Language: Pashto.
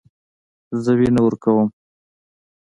زه وینه ورکوم.